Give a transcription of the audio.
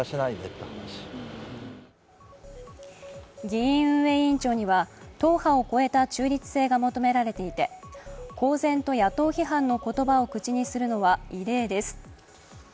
議員運営委員長には党派を超えた中立性が求められていて公然と野党批判の言葉を口にするのは異例です。